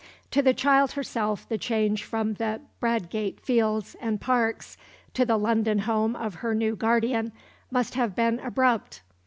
To the child herself the change from the Bradgate fields and parks to the London home of her new guardian must have been abrupt.